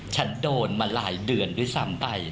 ฉันโดนมาหลายเดือนด้วยซ้ำไป